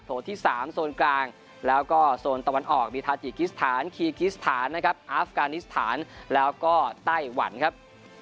ที่๓โซนกลางแล้วก็โซนตะวันออกบีทาจิกิสถานคีกิสถานนะครับอาฟกานิสถานแล้วก็ไต้หวันครับ